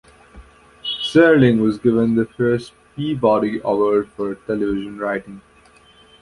Serling was given the first Peabody Award for television writing.